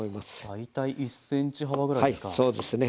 大体１ｃｍ幅ぐらいですか。